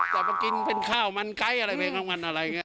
แต่มากินเป็นข้าวมันไก๊อะไรเป็นข้าวมันอะไรอย่างนี้